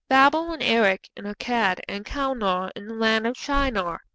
'_Babel, and Erech, and Accad, and Calneh, in the land of Shinar.